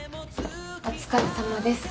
お疲れさまです。